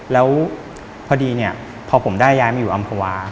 แล้วพอดีเนี่ยพอผมได้ย้ายมาอยู่อำภาวา